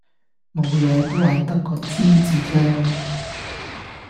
冇嘢，都係得個知字啫